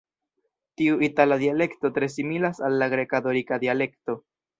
Tiu itala dialekto tre similas al la greka-dorika dialekto.